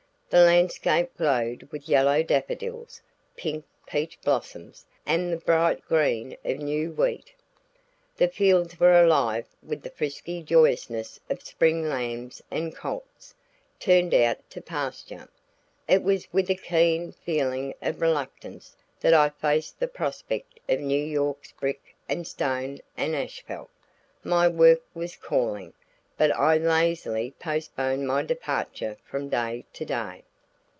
The landscape glowed with yellow daffodils, pink peach blossoms, and the bright green of new wheat; the fields were alive with the frisky joyousness of spring lambs and colts, turned out to pasture. It was with a keen feeling of reluctance that I faced the prospect of New York's brick and stone and asphalt. My work was calling, but I lazily postponed my departure from day to day.